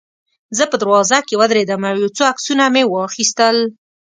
زه په دروازه کې ودرېدم او یو څو عکسونه مې واخیستل.